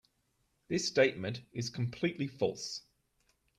This statement is completely false.